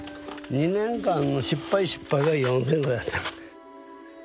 ２年間の失敗失敗が４，０００個やった。